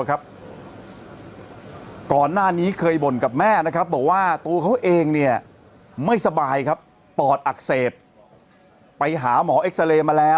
ยังไงยังไงยังไงยังไงยังไงยังไงยังไงยังไง